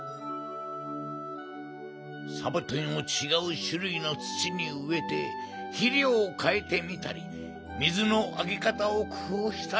サボテンをちがうしゅるいのつちにうえてひりょうをかえてみたりみずのあげかたをくふうしたり。